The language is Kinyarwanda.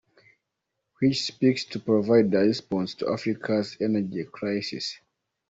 which seeks to provide a response to Africa’s energy crisis.